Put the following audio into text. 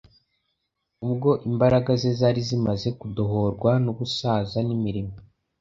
ubwo imbaraga ze zari zimaze kudohorwa n’ubusaza n’imirimo,